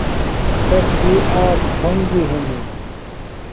تس دی آک ٹھوۡنگیۡ ہِنیۡ۔